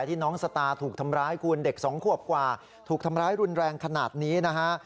ที่น้องสตาร์ถูกทำร้ายคุณเด็กสองขวบกว่าถูกทำร้ายรุนแรงขนาดนี้นะฮะ